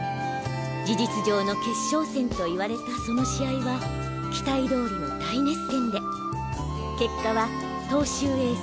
事実上の決勝戦と言われたその試合は期待通りの大熱戦で結果は東秀エース